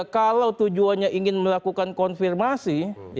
kalau tujuannya ingin melakukan konfirmasi